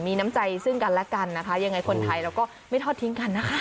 มีน้ำใจซึ่งกันและกันนะคะยังไงคนไทยเราก็ไม่ทอดทิ้งกันนะคะ